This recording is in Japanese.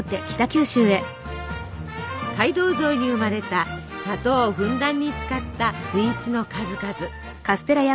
街道沿いに生まれた砂糖をふんだんに使ったスイーツの数々。